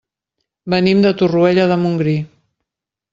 Venim de Torroella de Montgrí.